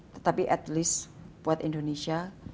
tetapi setidaknya untuk indonesia